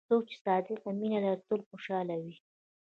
څوک چې صادق مینه لري، تل خوشحال وي.